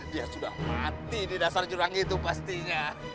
dia sudah mati di dasar jurang itu pastinya